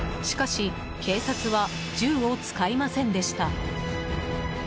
しかし、警察は銃を使いませんでした。